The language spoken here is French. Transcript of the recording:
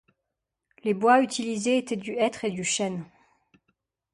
Les bois utilisés étaient du hêtre et du chêne.